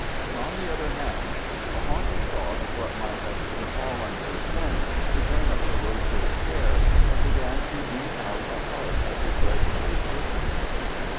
But, on the other hand, the haunting thought of what might have befallen her since became a corrosive care, and began to eat out the heart of his resolute purposes.